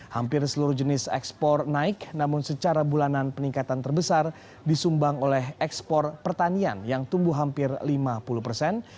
hampir seluruh jenis ekspor naik namun secara bulanan peningkatan terbesar disumbang oleh ekspor pertanian yang tumbuh hampir lima puluh persen